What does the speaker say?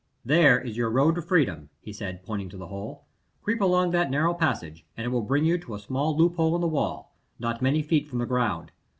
"There is your road to freedom," he said, pointing to the hole. "Creep along that narrow passage, and it will bring you to a small loophole in the wall, not many feet from the ground.